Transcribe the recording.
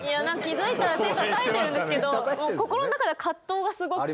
気付いたら手たたいてるんですけど心の中では葛藤がすごくて。